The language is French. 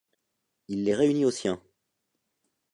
Il les réunit aux siens.